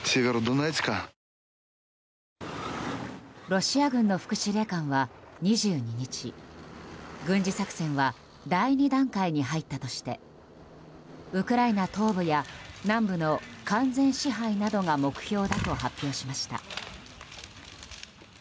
ロシア軍の副司令官は２２日軍事作戦は第２段階に入ったとしてウクライナ東部や南部の完全支配などが目標だと発表しました。